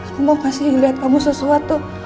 aku mau kasih lihat kamu sesuatu